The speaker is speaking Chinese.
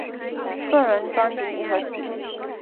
个人专辑合辑